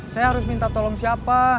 saya harus minta tolong siapa